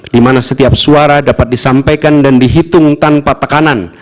di mana setiap suara dapat disampaikan dan dihitung tanpa tekanan